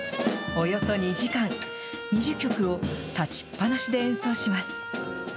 およそ２時間、２０曲を立ちっぱなしで演奏します。